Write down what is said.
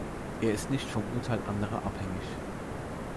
Er ist nicht vom Urteil anderer abhängig.